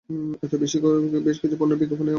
এরপর তিনি বেশকিছু পণ্যের বিজ্ঞাপন-এ অংশ নেন।